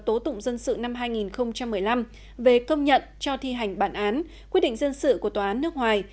tố tụng dân sự năm hai nghìn một mươi năm về công nhận cho thi hành bản án quyết định dân sự của tòa án nước ngoài